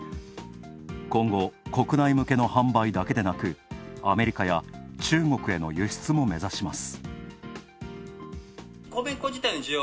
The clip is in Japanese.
今後、国内向けの販売だけでなく、アメリカや中国への輸出も目指します。